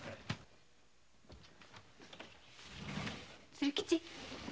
鶴吉。